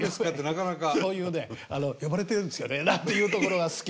そういうね「呼ばれてるんですよね？」なんていうところが好き。